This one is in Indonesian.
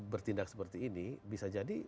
bertindak seperti ini bisa jadi